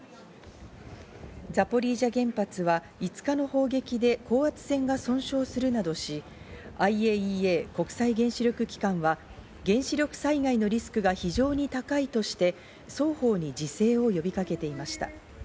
ザポリージャ原発は５日の砲撃で高圧線が損傷するなどし、ＩＡＥＡ＝国際原子力機関は原子力災害のリスクが非常に高いとして、双方に自制を呼びかけていました。